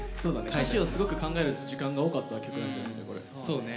歌詞をすごく考える時間が多かった曲なんじゃない？